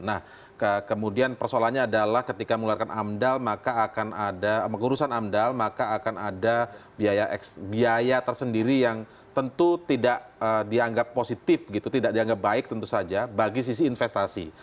nah kemudian persoalannya adalah ketika mengeluarkan amdal maka akan ada mengurusan amdal maka akan ada biaya tersendiri yang tentu tidak dianggap positif gitu tidak dianggap baik tentu saja bagi sisi investasi